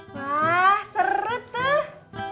wah seru tuh